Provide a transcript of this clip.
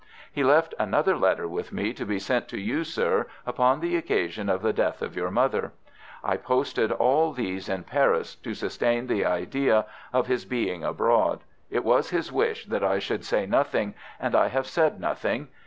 "He left another letter with me to be sent to you, sir, upon the occasion of the death of your mother. I posted all these in Paris to sustain the idea of his being abroad. It was his wish that I should say nothing, and I have said nothing.